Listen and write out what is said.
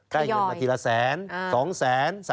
ได้เงินมากี่ละแสน๒แสน